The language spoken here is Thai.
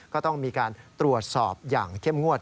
ก็ต้องมีการตรวจสอบอย่างเข้มงวด